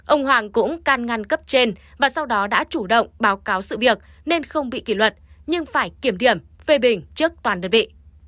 ông hoàng cũng can ngăn cấp trên và sau đó đã chủ động báo cáo sự việc nên không bị kỷ luật nhưng phải kiểm điểm phê bình trước toàn đơn vị